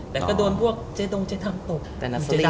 แต่ก็โดนพวกเจ๊ดมตก